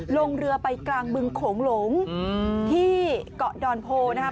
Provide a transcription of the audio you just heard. ลงเรือไปกลางบึงโขงหลงที่เกาะดอนโพนะครับ